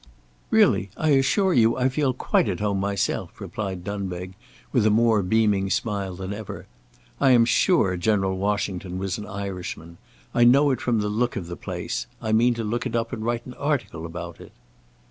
"Really, I assure you I feel quite at home myself," replied Dunbeg, with a more beaming smile than ever. "I am sure General Washington was an Irishman. I know it from the look of the place. I mean to look it up and write an article about it."